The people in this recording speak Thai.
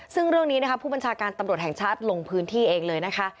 ซึ่งเรื่องนี้นะคะผู้บัญชาการตำรวจแห่งชาติลงพื้นที่เองเลยนะคะ